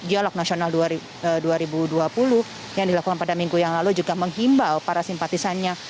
dialog nasional dua ribu dua puluh yang dilakukan pada minggu yang lalu juga menghimbau para simpatisannya